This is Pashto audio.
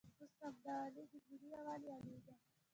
اوس همدا الې د ملي یووالي الې ده.